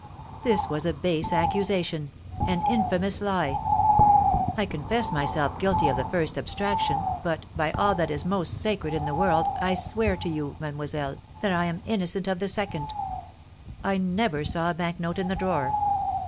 This was a base accusation, an infamous lie! I confess myself guilty of the first abstraction, but, by all that is most sacred in the world, I swear to you, mademoiselle, that I am innocent of the second. I never saw a bank note in the drawer.